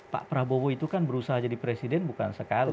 pak prabowo itu kan berusaha jadi presiden bukan sekali